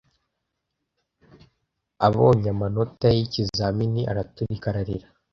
Abonye amanota ye yikizamini, araturika ararira.